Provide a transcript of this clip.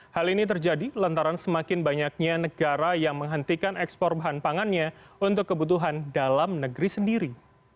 hal ini terjadi lantaran semakin banyaknya negara yang menghentikan ekspor bahan pangannya untuk kebutuhan dalam negeri sendiri